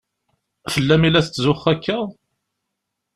Fell-am i la tetzuxxu akka?